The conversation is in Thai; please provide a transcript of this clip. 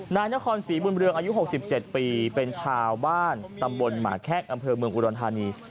นายนครศรีบุญเรืองอายุ๖๗ปีเป็นชาวบ้านตำบลหมาแข้งอำเภอเมืองอุดรธานี